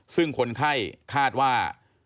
ซึ่งคนไข้คาดว่า